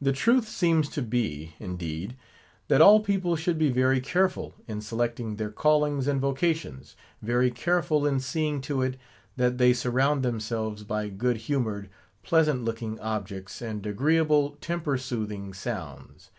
The truth seems to be, indeed, that all people should be very careful in selecting their callings and vocations; very careful in seeing to it, that they surround themselves by good humoured, pleasant looking objects; and agreeable, temper soothing sounds.